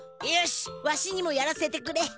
よしわしにもやらせてくれ！